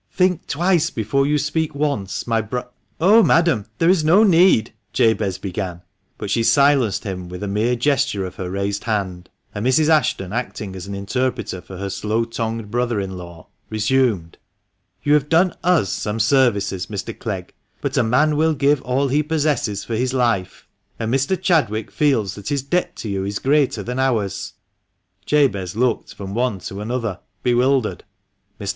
"'Think twice before you speak once/ my bro ——" 256 fuE MANCHESTER MAN. " Oh, madam ! there is no need," Jabez began, but she silenced him with a mere gesture of her raised hand ; and Mrs. Ashton, acting as interpreter for her slow tongued brother in law, resumed — "You have done us some services, Mr. Clegg, but 'a man will give all he possesses for his life,' and Mr. Chadwick :reels that his debt to you is greater than ours." Jabez looked from one to another, bewildered. Mr.